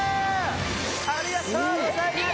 ありがとうございます！